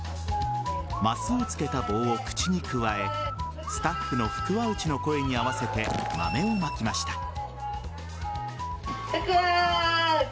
升を付けた棒を口にくわえスタッフの福は内の声に合わせて豆をまきました。